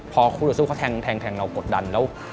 พอคู่ต่อสู้เขาแทงเรากดดันแล้ว